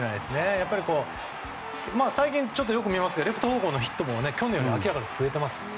最近よく見ますがレフト方向のヒットも去年より明らかに増えています。